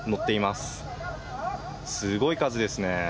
すごい数ですね。